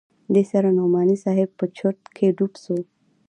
دې سره نعماني صاحب په چورت کښې ډوب سو.